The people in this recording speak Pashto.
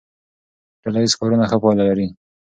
ډله ییز کارونه ښه پایله لري.